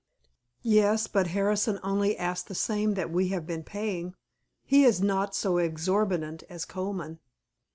"Yes, but Harrison only asks the same that we have been paying. He is not so exorbitant as Colman."